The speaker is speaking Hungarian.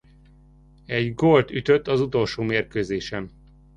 Egy gólt ütött az utolsó mérkőzésen.